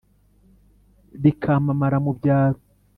Rikamamara mu byaro.